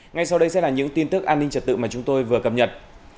ngay sau đây sẽ là những tin tức an ninh trật tự mà chúng tôi vừa cập nhật